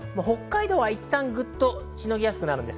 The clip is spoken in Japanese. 北海道はいったんぐっとしのぎやすくなります。